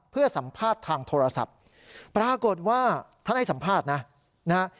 เพื่อสัมภาษณ์ทางโทรศัพท์ปรากฏว่าท่านให้สัมภาษณ์นะนะฮะ